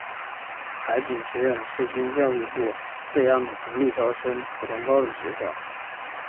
海警学院是经教育部备案的独立招生普通高等学校。